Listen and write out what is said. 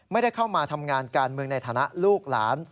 ไม่ได้เข้ามาทำงานการเมืองในฐานะลูกหลาน